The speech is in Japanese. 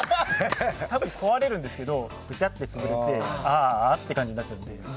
多分、壊れるんですけどぐちゃっとつぶれてあーあという感じになっちゃうので。